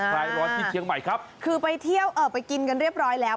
คลายร้อนที่เชียงใหม่ครับคือไปเที่ยวเอ่อไปกินกันเรียบร้อยแล้ว